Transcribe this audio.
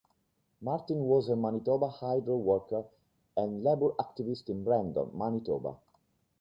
Martin was a Manitoba Hydro worker and labour activist in Brandon, Manitoba.